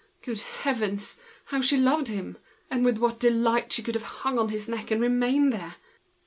Good heavens! how she loved him, and with what delight she could have hung on his neck and remained there!